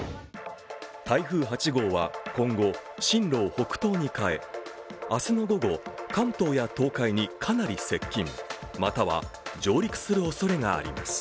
台風８号は、今後進路を北東に変え、明日の午後、関東や東海にかなり接近または上陸するおそれがあります。